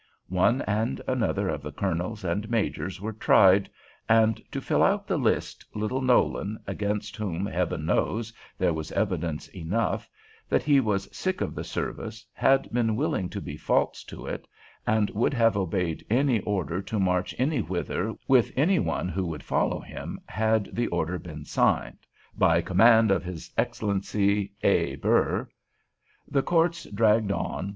One and another of the colonels and majors were tried, and, to fill out the list, little Nolan, against whom, Heaven knows, there was evidence enough, that he was sick of the service, had been willing to be false to it, and would have obeyed any order to march any whither with any one who would follow him had the order been signed, "By command of His Exc. A. Burr." The courts dragged on.